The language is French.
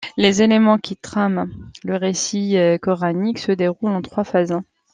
Les éléments qui trament le récit coranique se déroulent en trois phases.